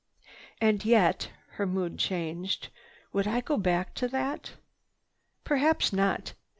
"And yet—" her mood changed. "Would I go back to that? Perhaps not.